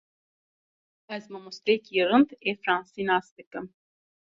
Ez mamosteyekî rind ê fransî nas dikim.